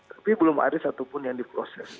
tapi belum ada satupun yang diproses